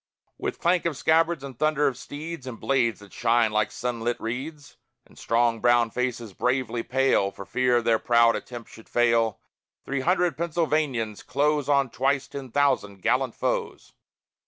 With clank of scabbards and thunder of steeds, And blades that shine like sunlit reeds, And strong brown faces bravely pale, For fear their proud attempt shall fail, Three hundred Pennsylvanians close On twice ten thousand gallant foes.